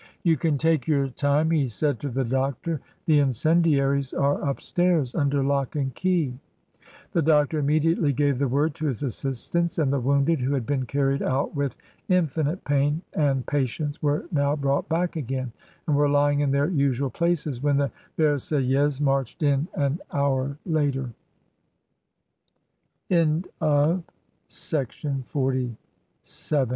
"You can take your time," he said to the doctor, "the incendiaries are upstairs, under lock and key." The doctor immediately gave the word to his assistants, and the wounded, who had been carried out with infinite pain and patience, were now brought back again, and were lying in their usual places when the Versaillais marched in an hour lat